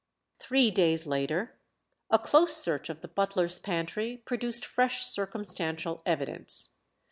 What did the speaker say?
Three days later a close search of the butler's pantry produced fresh circumstantial evidence.